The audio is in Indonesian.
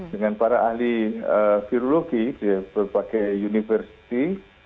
dengan para ahli virologi di berbagai university